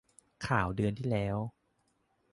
ข่าวเดือนที่แล้ว